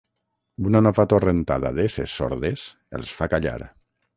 Una nova torrentada d'esses sordes els fa callar.